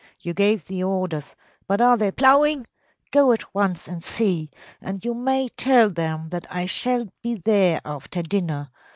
You gave the orders, but are they ploughing? Go at once and see, and you may tell them that I shall be there after dinner.